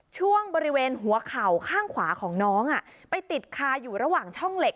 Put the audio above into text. ช่วงบริเวณหัวเข่าข้างขวาของน้องไปติดคาอยู่ระหว่างช่องเหล็ก